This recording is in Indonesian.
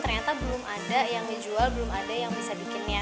ternyata belum ada yang dijual belum ada yang bisa bikinnya